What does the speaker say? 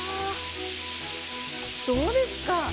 どうですか？